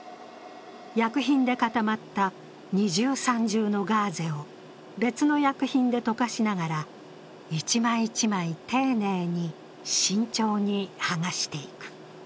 薬品で固まった二重三重のガーゼを別の薬品で溶かしながら１枚１枚丁寧に慎重に剥がしていく。